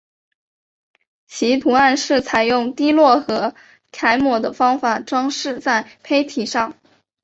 其图案是采用滴落和揩抹的方法装饰在坯体上。